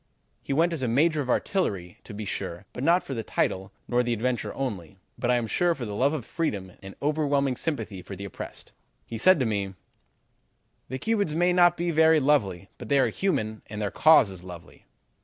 He went as a Major of Artillery to be sure, but not for the title, nor the adventure only, but I am sure from love of freedom and overwhelming sympathy for the oppressed. He said to me: "'The Cubans may not be very lovely, but they are human, and their cause is lovely.'